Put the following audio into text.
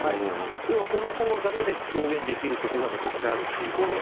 要はこの５音だけで表現できる曲がめちゃくちゃあるっていう事で。